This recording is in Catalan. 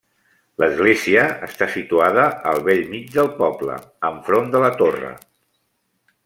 L'església està situada al bell mig del poble, enfront de la Torre.